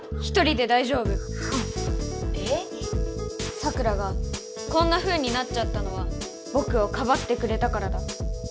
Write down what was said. サクラがこんなふうになっちゃったのはぼくをかばってくれたからだ。